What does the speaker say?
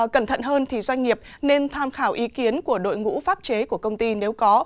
cẩn thận hơn thì doanh nghiệp nên tham khảo ý kiến của đội ngũ pháp chế của công ty nếu có